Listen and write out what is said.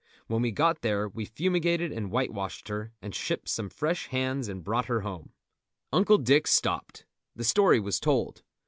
When we got there we fumigated and whitewashed her, and shipped some fresh hands and brought her home. Uncle Dick stopped. The story was told.